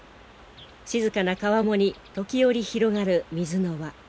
静かな川面に時折広がる水の輪。